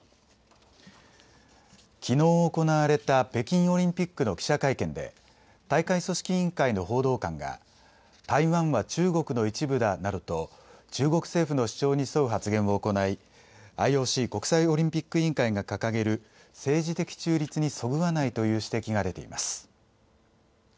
きのう行われた北京オリンピックの記者会見で、大会組織委員会の報道官が、台湾は中国の一部だなどと、中国政府の主張に沿う発言を行い、ＩＯＣ・国際オリンピック委員会が掲げる政治的中立にそぐわないという指摘が出ています。